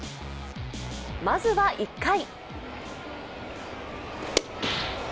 まずは１回。